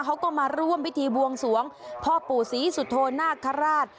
เขาก็มาร่วมพิธีบวงสวงพ่อปู่ศรีสุโธนาคาราช